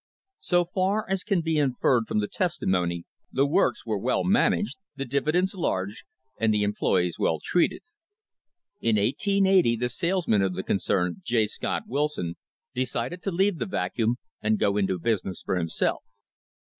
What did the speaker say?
So far as can be inferred from the testimony, the works were well managed, the dividends large, and the employees well treated. In 1880 the salesman of the concern, J. Scott Wilson, decided to leave the Vacuum and go into business for himself.